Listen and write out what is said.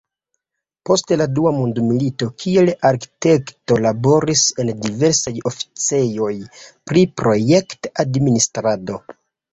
Post la dua mondmilito kiel arkitekto laboris en diversaj oficejoj pri projekt-administrado.